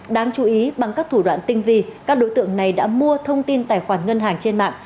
đáng chú ý bằng các thủ đoạn tinh vi các đối tượng này đã mua thông tin tài khoản ngân hàng trên mạng